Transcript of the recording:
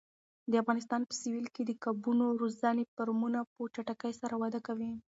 د افغانستان په سویل کې د کبانو روزنې فارمونه په چټکۍ سره وده کوي.